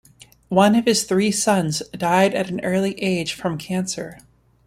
One of his three sons died at an early age from cancer.